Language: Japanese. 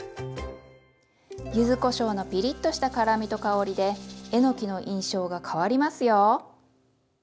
ゆずこしょうのピリッとした辛みと香りでえのきの印象が変わりますよ。